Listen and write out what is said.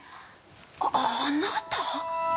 ああなた？